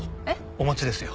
お待ちですよ。